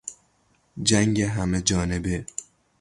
جنگ همهجانبه